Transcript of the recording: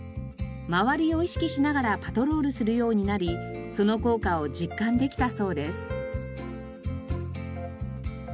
周りを意識しながらパトロールするようになりその効果を実感できたそうです。